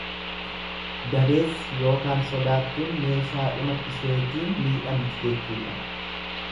Dabeessi ykn sodaattuun meeshaadhuma isheetiin midhamti jechuudha.